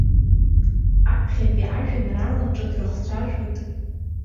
Аԥхьатәи ажәеинраалаҿы дрыхцәажәоит.